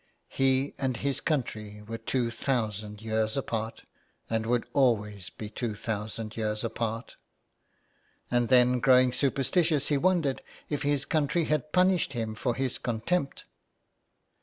He and his country were two thousand years apart, and would always be two thousand years 23 IN THE CLAY. apart, and then growing superstitious, he wondered if his country had punished him for his contempt.